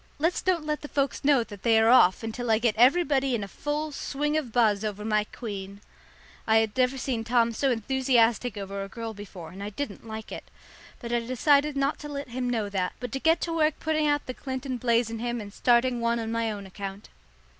"Let's don't let the folks know that they are off until I get everybody in a full swing of buzz over my queen." I had never seen Tom so enthusiastic over a girl before, and I didn't like it. But I decided not to let him know that, but to get to work putting out the Clinton blaze in him and starting one on my own account.